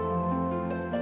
ya ma aku ngerti